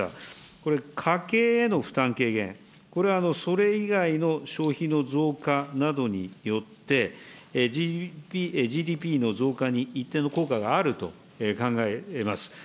これ、家計への負担軽減、これはそれ以外の消費の増加などによって、ＧＤＰの増加に一定の効果があると考えます。